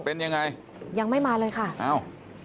เป็นยังไงยังไม่มาเลยค่ะอ้าว